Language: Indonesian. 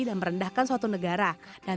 dan merendahkan suatu keadaan